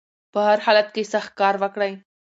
په هر حالت کې سخت کار وکړئ